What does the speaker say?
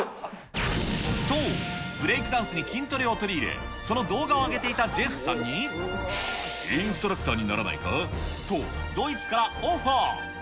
そう、ブレイクダンスに筋トレを取り入れ、その動画を上げていたジェスさんに、インストラクターにならないか？とドイツからオファー。